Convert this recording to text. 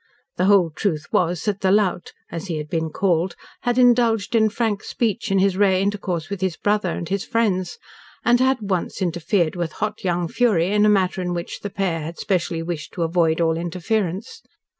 The whole truth was that "The Lout," as he had been called, had indulged in frank speech in his rare intercourse with his brother and his friends, and had once interfered with hot young fury in a matter in which the pair had specially wished to avoid all interference.